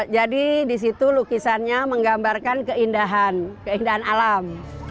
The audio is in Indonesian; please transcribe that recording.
jadi di situ lukisannya menggambarkan keindahan keindahan alam